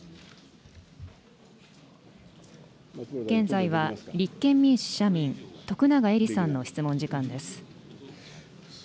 現在は立憲民主・社民、徳永エリさんの質問時間です。